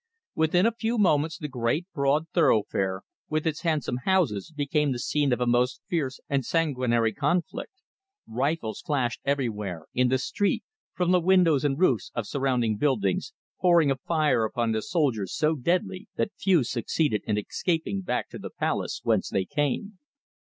Within a few moments the great broad thoroughfare, with its handsome houses, became the scene of a most fierce and sanguinary conflict. Rifles flashed everywhere, in the street, from the windows and roofs of surrounding buildings, pouring a fire upon the soldiers so deadly that few succeeded in escaping back to the place whence they came.